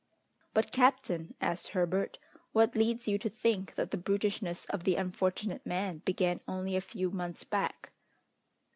"But, captain," asked Herbert, "what leads you to think that the brutishness of the unfortunate man began only a few months back?"